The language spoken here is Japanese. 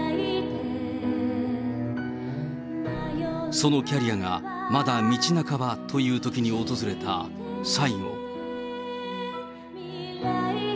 そのキャリアがまだ道半ばというときに訪れた最期。